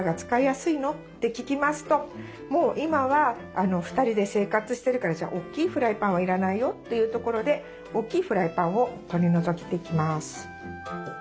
もう今は２人で生活してるから大きいフライパンは要らないよというところで大きいフライパンを取り除いていきます。